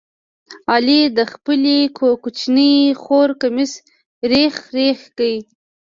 علي د خپلې کوچنۍ خور کمیس ریخې ریخې کړ.